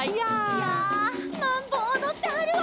「いゃあマンボおどってはるわ」